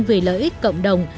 về lợi ích cộng đồng